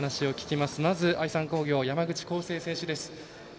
まずは愛三工業山口選手です。